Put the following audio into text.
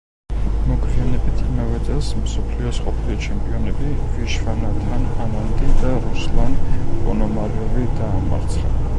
მოგვიანებით იმავე წელს მსოფლიოს ყოფილი ჩემპიონები ვიშვანათან ანანდი და რუსლან პონომარიოვი დაამარცხა.